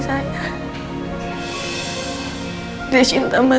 saya juga ikut arcana